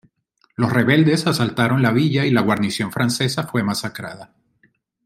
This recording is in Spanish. Los rebeldes asaltaron la villa y la guarnición francesa fue masacrada.